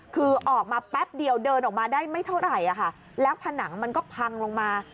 คือออกมาแป๊บเดียวเดินออกมาได้ไม่เท่าไหร่ค่ะแล้วผนังมันก็พังลงมา